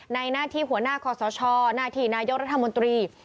หน้าที่หัวหน้าคอสชหน้าที่นายกรัฐมนตรี